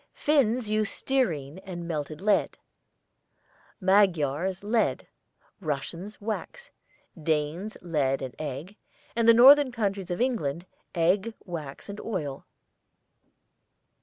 Finns use stearine and melted lead, Magyars lead, Russians wax, Danes lead and egg, and the northern counties of England egg, wax and oil.